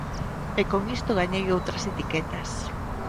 E con isto gañei outras etiquetas.